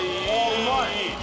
うまい。